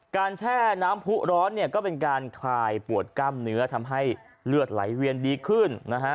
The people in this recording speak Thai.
แช่น้ำผู้ร้อนเนี่ยก็เป็นการคลายปวดกล้ามเนื้อทำให้เลือดไหลเวียนดีขึ้นนะฮะ